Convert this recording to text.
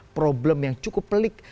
problem yang cukup pelik